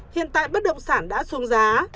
hiện tại bất động sản đã xuống giá